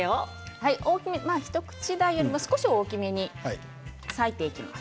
一口大よりも少し大きめに割いていきます。